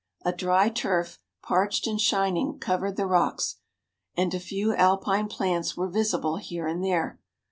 A dry turf, parched and shining, covered the rocks, and a few alpine plants were visible here and there.